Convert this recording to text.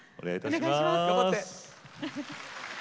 頑張って。